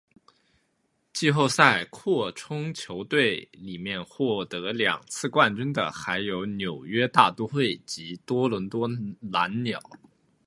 季后赛扩充球队里面获得两次冠军的还有纽约大都会及多伦多蓝鸟。